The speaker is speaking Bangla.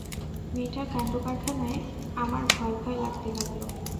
মেয়েটার কাণ্ডকারখানায় আমার ভয়ভয় লাগতে লাগল।